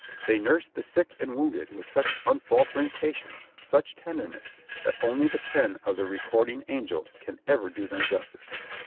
They nursed the sick and wounded with such unfaltering patience, such tenderness, that only the pen of the "Recording Angel" can ever do them justice.